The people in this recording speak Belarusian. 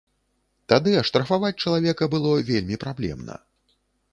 Тады аштрафаваць чалавека было вельмі праблемна.